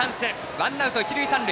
ワンアウト、一塁三塁。